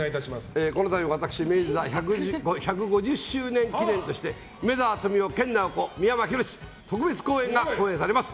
このたび明治座１５０周年記念として梅沢富美男・研ナオコ三山ひろし特別公演が上演されます。